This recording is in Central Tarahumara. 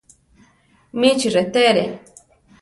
Michi rétere.